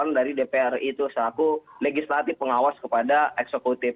karena kita berpengalaman dari dpr ri itu seharusnya legislatif pengawas kepada eksekutif